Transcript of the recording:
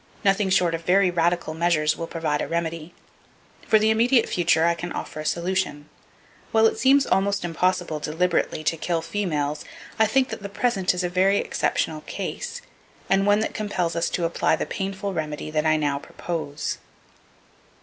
Nothing short of very radical measures will provide a remedy. For the immediate future, I can offer a solution. While it seems almost impossible deliberately to kill females, I think that the present is a very exceptional case, and one that compels us to apply the painful remedy that I now propose.